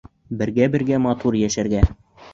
Бергә-бергә матур йәшәргә!